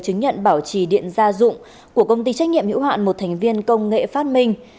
chứng nhận bảo trì điện gia dụng của công ty trách nhiệm hữu hạn một thành viên công nghệ phát minh